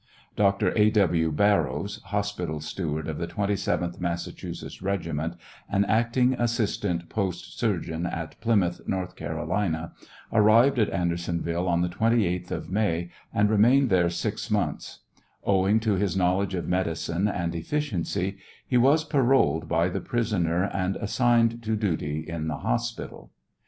Dr. A. W. Barrows, hospital steward of the 27th Massachusetts regiment, and acting assistant post surgeon at Plymouth, North Carolina, arrived at Ander sonville on the 28th of May, and remained there six months ; owing to his knowledge of medicine, and efficienc}', he was paroled by the prisoner and assigned to duty in the hospital.